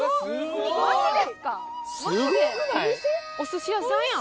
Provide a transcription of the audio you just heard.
お寿司屋さんやん！